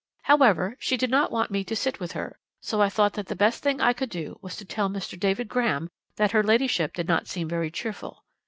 "'However, she did not want me to sit with her, so I thought that the best thing I could do was to tell Mr. David Graham that her ladyship did not seem very cheerful.